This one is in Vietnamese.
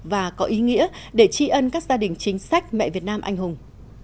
và có ý nghĩa để tri ân các gia đình chính sách mẹ việt nam anh hùng